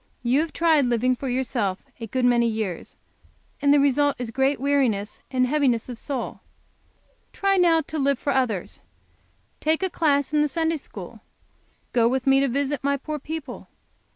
You have tried living for yourself a good many years, and the result is great weariness and heaviness of soul. Try now to live for others. Take a class in the Sunday school. Go with me to visit my poor people.